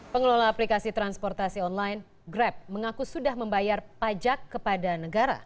pengelola aplikasi transportasi online grab mengaku sudah membayar pajak kepada negara